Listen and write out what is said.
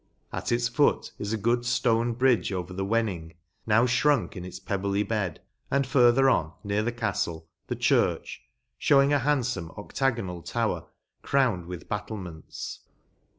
At its foot, is a good ftone bridge over the Wenning, now ftirunk in its pebbly bed, and, further on, near the caftle, the church, fhewing a handfome octagonal tower, crowned with battlements.